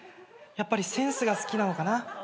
やっぱりセンスが好きなのかな。